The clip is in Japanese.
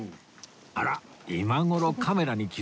あら今頃カメラに気づいた